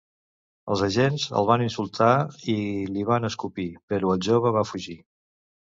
Els agents el van insultar i li van escopir, però el jove va fugir.